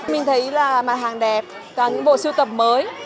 mình thấy là mặt hàng đẹp và những bộ siêu tập mới